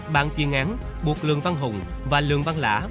bàn chuyên án buộc lương văn hùng và lương văn lã